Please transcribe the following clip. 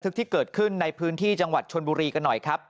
ที่เกิดขึ้นในพื้นที่จังหวัดชนบุรีกันหน่อยครับ